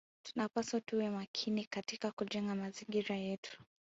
Tunapaswa tuwe makini katika kujenga mazingira yetu